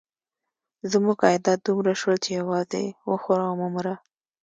زموږ عایدات دومره شول چې یوازې وخوره او مه مره.